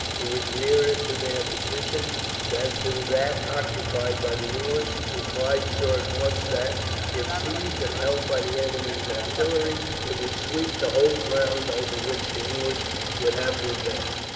It was nearer to their position than to that occupied by the English, and Clive saw at once that, if seized and held by the enemy's artillery, it would sweep the whole ground over which the English would have to advance.